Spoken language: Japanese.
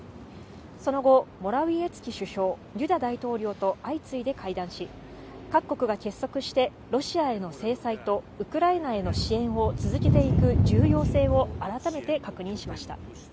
その後、モラウィエツキ首相、ドゥダ大統領と相次いで会談し、各国が結束して、ロシアへの制裁とウクライナへの支援を続けていく重要性を改めて確認しました。